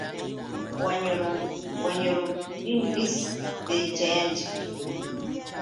Wañuruptinpis dirichayanchik.